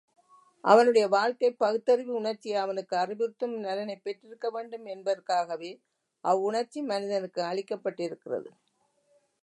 அவனுடைய வாழ்க்கை பகுத்தறிவு உணர்ச்சி அவனுக்கு அறிவுறுத்தும் நலனைப் பெற்றிருக்க வேண்டும் என்பதற்காகவே அவ்வுணர்ச்சி மனிதனுக்கு அளிக்கப்பட்டிருக்கிறது.